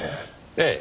ええ。